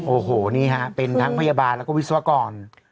โอโหนี้ครับเป็นทั้งพยาบาลและวิศวกร